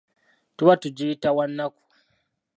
Tuba tugiyita wannaku.